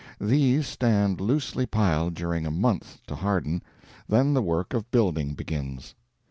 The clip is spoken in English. These stand loosely piled during a month to harden; then the work of building begins.